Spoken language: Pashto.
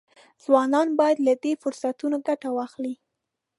ځوانان باید له دې فرصتونو ګټه واخلي.